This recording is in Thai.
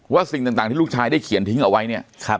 สิ่งต่างที่ลูกชายได้เขียนทิ้งเอาไว้เนี่ย